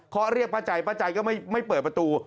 เขาเรียกป้าใจป้าใจก็ไม่เปิดประตู